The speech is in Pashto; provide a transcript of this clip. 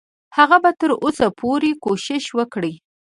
هغه به تر اوسه پورې کوشش وکړي.